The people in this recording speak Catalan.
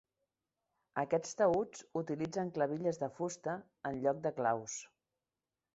Aquests taüts utilitzen clavilles de fusta en lloc de claus.